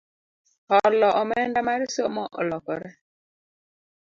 Holo omenda mar somo olokore